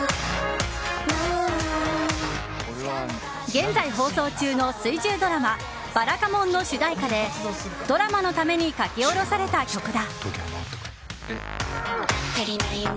現在放送中の水１０ドラマ「ばらかもん」の主題歌でドラマのために書き下ろされた曲だ。